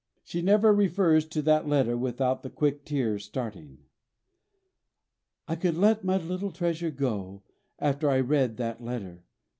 She never refers to that letter without the quick tears starting. "I could let my little treasure go after I read that letter.